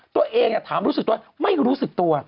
ตัวเองถามรู้สึกตัวไม่รู้สึกตัว